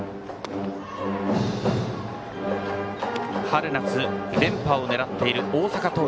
春夏連覇を狙っている大阪桐蔭。